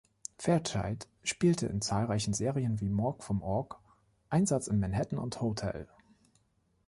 Fairchild spielte in zahlreichen Serien wie "Mork vom Ork", "Einsatz in Manhattan" und "Hotel".